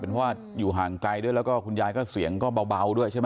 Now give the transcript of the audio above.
เพราะว่าอยู่ห่างไกลด้วยแล้วก็คุณยายก็เสียงก็เบาด้วยใช่ไหม